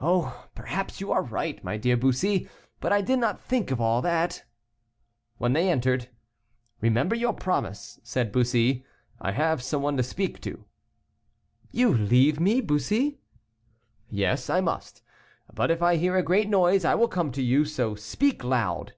"Oh! perhaps you are right, my dear Bussy, but I did not think of all that." When they entered, "Remember your promise," said Bussy, "I have some one to speak to." "You leave me, Bussy?" "Yes, I must, but if I hear a great noise I will come to you, so speak loud."